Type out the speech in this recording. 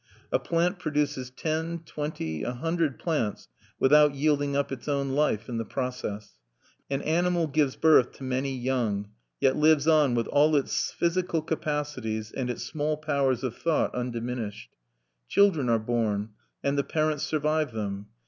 A plant produces ten, twenty, a hundred plants without yielding up its own life in the process. An animal gives birth to many young, yet lives on with all its physical capacities and its small powers of thought undiminished. Children are born; and the parents survive them.